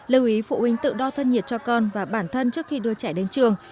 lưu ý phụ huynh tự đo thân nhiệt cho con và bản thân trước khi đưa trẻ đến trường